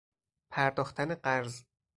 پرداختن قرض